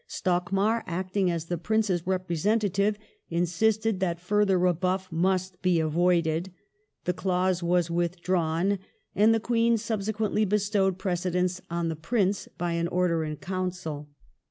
Stockmar, acting as the Prince's representa tive, insisted that further rebuff must be avoided ; the clause was withdrawn, and the Queen subsequently bestowed precedence on the Prince by an Order in Council.